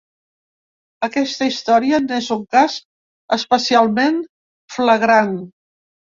Aquesta història n'és un cas especialment flagrant.